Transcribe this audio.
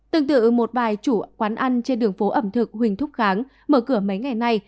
tương tự một bài chủ quán ăn trên đường phố ẩm thực huỳnh thúc kháng mở cửa mấy ngày nay